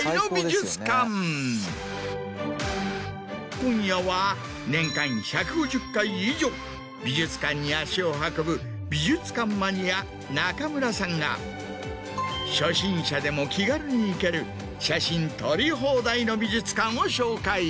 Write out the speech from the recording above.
今夜は年間１５０回以上美術館に足を運ぶ美術館マニア中村さんが初心者でも気軽に行ける写真撮り放題の美術館を紹介。